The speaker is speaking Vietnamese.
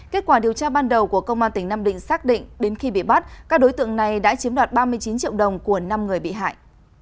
kết quả điều tra ban đầu của công an tỉnh nam định xác định đến khi bị bắt các đối tượng này đã chiếm đoạt ba mươi chín triệu đồng của năm người bị hại